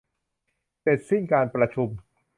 เสร็จสิ้นการประชุม